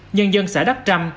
nhân dân xã đắk trăm